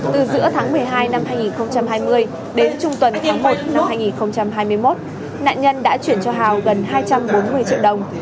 từ giữa tháng một mươi hai năm hai nghìn hai mươi đến trung tuần tháng một năm hai nghìn hai mươi một nạn nhân đã chuyển cho hào gần hai trăm bốn mươi triệu đồng